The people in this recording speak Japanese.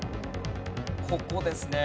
ここですね。